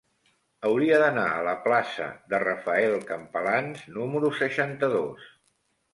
Hauria d'anar a la plaça de Rafael Campalans número seixanta-dos.